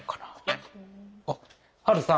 あっハルさん！